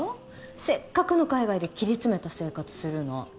せっかくの海外で切り詰めた生活するの